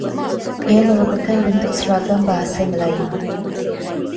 Ia merupakan bentuk seragam bahasa Melayu.